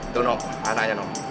tuh dong anaknya